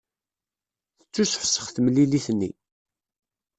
Tettusefsex temlilit-nni.